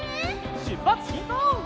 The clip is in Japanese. しゅっぱつしんこう！